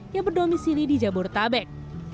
yang berdomisili di jabortabek